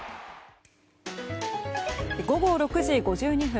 午後６時５２分。